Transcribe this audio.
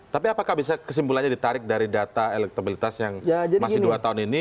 tapi apakah bisa kesimpulannya ditarik dari data elektabilitas yang masih dua tahun ini